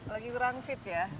lagi kurang fit ya